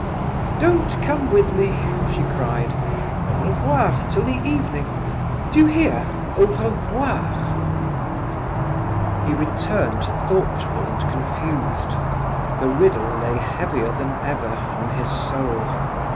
"Don't come with me," she cried, "Au revoir, till the evening—do you hear? Au revoir!" He returned thoughtful and confused; the riddle lay heavier than ever on his soul.